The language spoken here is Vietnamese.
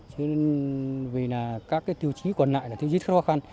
chứ vì các tiêu chí còn lại là tiêu chí rất khó khăn